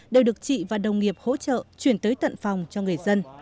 đều được chị và đồng nghiệp hỗ trợ chuyển tới tận phòng cho người dân